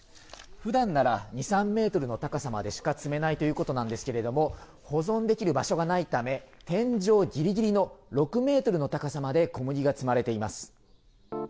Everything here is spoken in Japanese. ふだんなら、２、３メートルの高さまでしか積めないということなんですけれども、保存できる場所がないため、天井ぎりぎりの６メートルの高さまで小麦が積まれています。